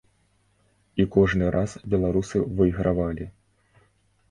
І кожны раз беларусы выйгравалі.